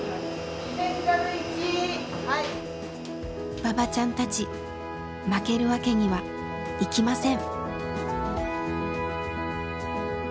ばばちゃんたち負けるわけにはいきません！